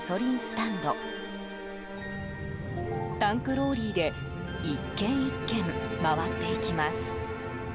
タンクローリーで１軒１軒回っていきます。